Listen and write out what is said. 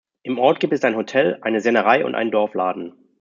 Im Ort gibt es ein Hotel, eine Sennerei und einen Dorfladen.